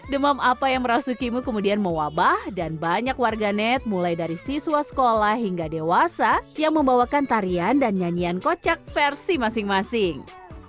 demam apa yang merasukimu kemudian mewabah dan banyak warganet mulai dari siswa sekolah hingga dewasa yang membawakan tarian dan nyanyian kocak versi masing masing